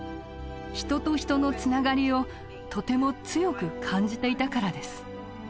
人と人のつながりをとても強く感じていたからです。